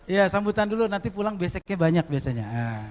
ya sambutan dulu nanti pulang besoknya banyak biasanya